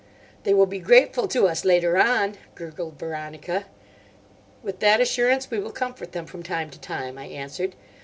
"They will be grateful to us later on," gurgled Veronica. "With that assurance we will comfort them from time to time," I answered.